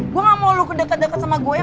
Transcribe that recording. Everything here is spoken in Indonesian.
gua gak mau lo kedeket deket sama gue ya